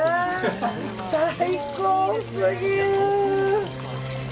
最高すぎる！